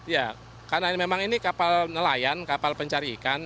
ya karena memang ini kapal nelayan kapal pencari ikan